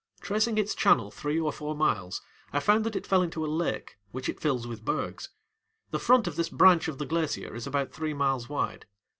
Tracing its channel three or four miles, I found that it fell into a lake, which it fills with bergs. The front of this branch of the glacier is about three miles wide.